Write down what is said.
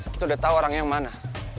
kita udah tau orangnya yang mana